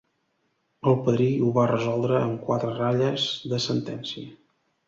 El padrí ho va resoldre am quatre ratlles de sentencia.